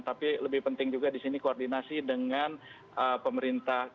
tapi lebih penting juga di sini koordinasi dengan pemerintah